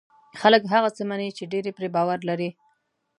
خلک هغه څه مني چې ډېری پرې باور لري.